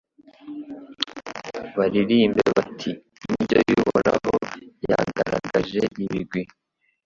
baririmbe bati Indyo y’Uhoraho yagaragaje ibigwi